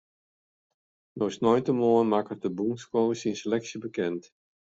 No sneintemoarn makket de bûnscoach syn seleksje bekend.